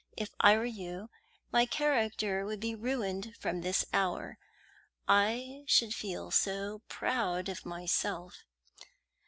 If I were you, my character would be ruined from this hour I should feel so proud of myself."